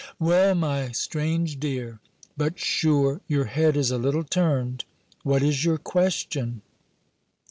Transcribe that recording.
"Well, my strange dear! But sure your head is a little turned! What is your question?"